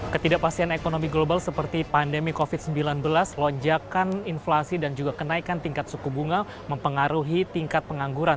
ketidakpastian ekonomi global seperti pandemi covid sembilan belas lonjakan inflasi dan juga kenaikan tingkat suku bunga mempengaruhi tingkat pengangguran